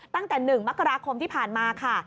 ตั้งแต่๑มกราคมที่ผ่านมาค่ะ